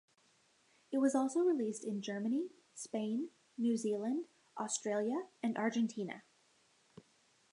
It was also released in Germany, Spain, New Zealand, Australia and Argentina.